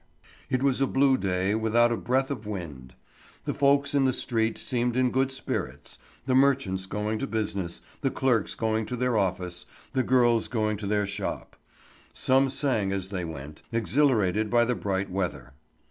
It was a blue day without a breath of wind. The folks in the streets seemed in good spirits, the merchants going to business, the clerks going to their office, the girls going to their shop. Some sang as they went, exhilarated by the bright weather.